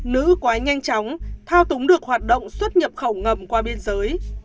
nữ quá nhanh chóng thao túng được hoạt động xuất nhập khẩu ngầm qua biên giới